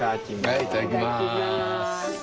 はいいただきます。